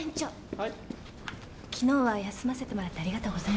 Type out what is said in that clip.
はい。